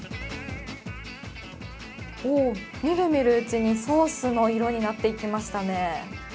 みるみるうちにソースの色になっていきましたね。